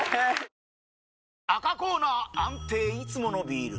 赤コーナー安定いつものビール！